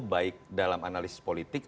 baik dalam analisis politik